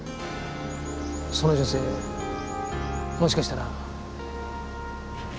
その女性もしかしたら。